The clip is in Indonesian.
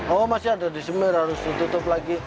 oh masih ada disemir harus ditutup lagi